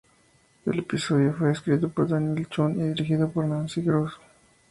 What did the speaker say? El episodio fue escrito por Daniel Chun y dirigido por Nancy Kruse.